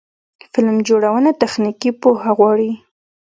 فلم جوړونه تخنیکي پوهه غواړي.